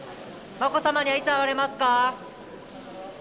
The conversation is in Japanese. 眞子さまにはいつ会われますか？